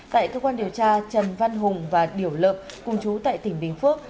tại cơ quan điều tra trần văn hùng và điểu lợm cùng chú tại tỉnh bình phước